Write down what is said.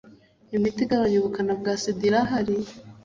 imiti igabanya ubukana bwa sida irahari